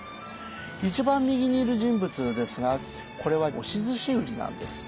一番右にいる人物ですがこれは押し寿司売りなんです。